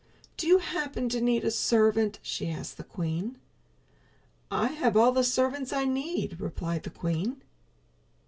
"Do you happen to need a servant?" she asked the queen. "I have all the servants I need," replied the queen.